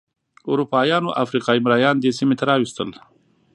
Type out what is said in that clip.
اروپایانو افریقايي مریان دې سیمې ته راوستل.